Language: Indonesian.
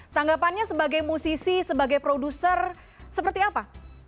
tanggapannya sebagai musisi sebagai produser seperti apa